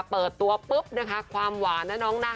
เปิดตัวปุ๊บนะคะความหวานนะน้องนะ